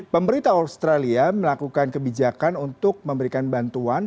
pemerintah australia melakukan kebijakan untuk memberikan bantuan